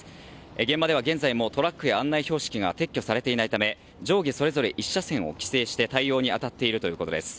現場では現在もトラックや案内標識が撤去されていないため上下それぞれ１車線を規制して対応に当たっているということです。